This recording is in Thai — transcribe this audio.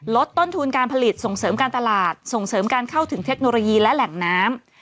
ลดต้นทุนการผลิตส่งเสริมการตลาดส่งเสริมการเข้าถึงเทคโนโลยีและแหล่งน้ำ